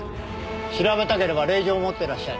調べたければ令状を持ってらっしゃい。